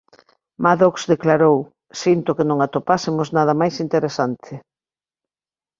Maddox declarou "sinto que non atopásemos nada máis interesante.